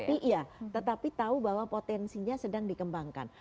iya tetapi tahu bahwa potensinya sedang dikembangkan